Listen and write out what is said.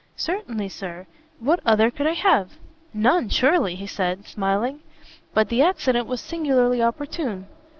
"Certainly, Sir; what other could I have?" "None, surely!" said he, smiling, "but the accident was singularly opportune."